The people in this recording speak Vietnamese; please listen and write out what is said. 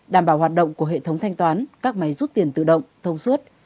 đảm bảo hoạt động của hệ thống thanh toán các máy rút tiền tự động thông suốt